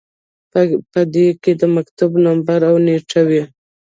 په دې کې د مکتوب نمبر او نیټه وي.